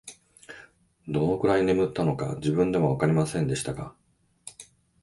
どのくらい眠ったのか、自分でもわかりませんでしたが、